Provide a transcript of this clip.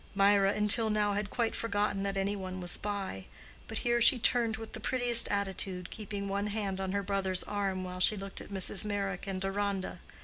Mirah until now had quite forgotten that any one was by, but here she turned with the prettiest attitude, keeping one hand on her brother's arm while she looked at Mrs. Meyrick and Deronda.